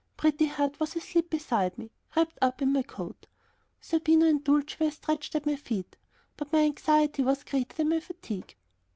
Pretty Heart was asleep beside me, wrapped up in my coat; Zerbino and Dulcie were stretched at my feet. But my anxiety was greater than my fatigue.